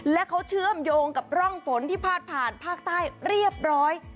และเขาเชื่อมโยงกับร่องฝนที่พาดผ่านภาคใต้เรียบร้อย